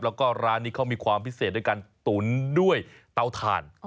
แล้วก็ร้านนี้เขามีความพิเศษด้วยการตุ๋นด้วยเตาถ่าน